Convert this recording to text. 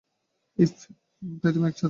ই্যাপ -okay তাই তুমি এটা সাথে রাখো?